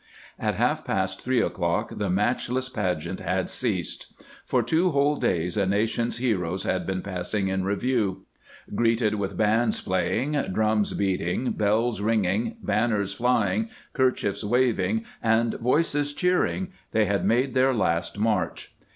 At half past three o'clock the matchless pageant had ceased. For two whole days a nation's heroes had been passing in review. Greeted with bands playing, drums beating, bells ringing, banners flying, kerchiefs waving, and voices cheering, they had made their last march.